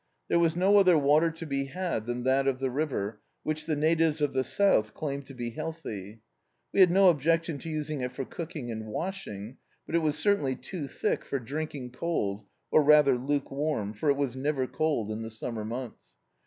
There was no oAer water to be had than that of the river, which the natives of the south claim to be healthy. We had no objection to using it for cooking and washing, but it was certainly too thick for drinking cold — or rather lukewarm, for it was never cold in the summer months.